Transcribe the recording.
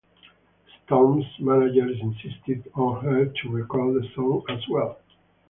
Storm's manager insisted on her to record the song as well.